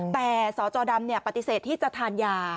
แต่สตดำเนี่ยปฏิเสธที่จะทานยา